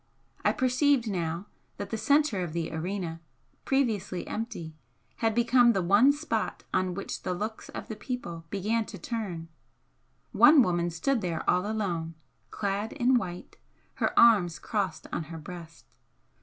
I perceived now that the centre of the arena, previously empty, had become the one spot on which the looks of the people began to turn one woman stood there all alone, clad in white, her arms crossed on her breast.